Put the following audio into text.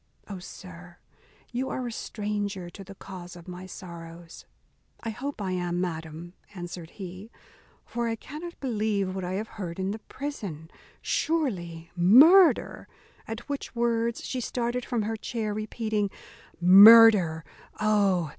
O, sir! you are a stranger to the cause of my sorrows." "I hope I am, madam," answered he; "for I cannot believe what I have heard in the prison surely murder" at which words she started from her chair, repeating, "Murder! oh!